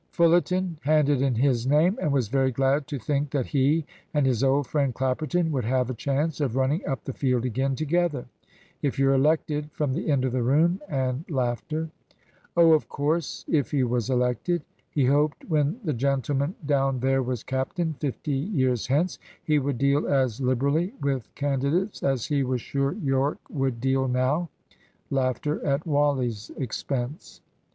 Fullerton handed in his name, and was very glad to think that he and his old friend Clapperton would have a chance of running up the field again together. ("If you're elected!" from the end of the room, and laughter.) Oh, of course, if he was elected. He hoped when the gentleman down there was captain, fifty years hence, he would deal as liberally with candidates as he was sure Yorke would deal now. (Laughter, at Wally's expense.)